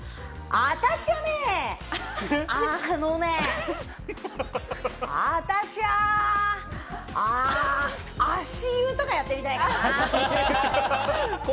私はね、あのね、私は、足湯とかやってみたいかな。